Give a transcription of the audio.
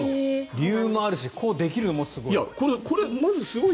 理由もあるしこうできるのもすごい。